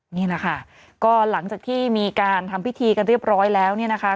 นี่แหละค่ะก็หลังจากที่มีการทำพิธีกันเรียบร้อยแล้วเนี่ยนะคะ